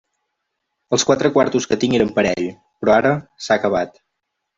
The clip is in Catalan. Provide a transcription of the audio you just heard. Els quatre quartos que tinc eren per a ell; però ara... s'ha acabat.